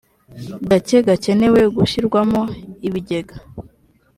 gace kagenewe gushyirwamo ibigega